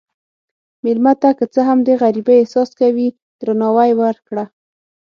مېلمه ته که څه هم د غریبۍ احساس کوي، درناوی ورکړه.